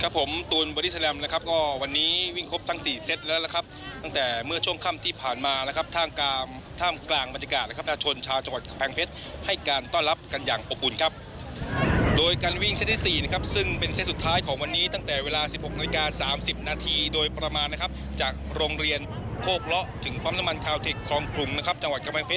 ปั๊มน้ำมันคาวเทคคลองคลุมนะครับจังหวัดกำแพงเพชร